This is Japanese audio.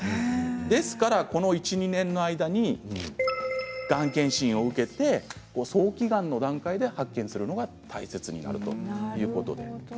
ですからこの１、２年の間にがん検診を受けて早期がんの段階で発見するのが大切になるということ。